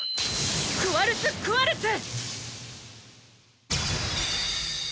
「クワルツ・クワルツ」！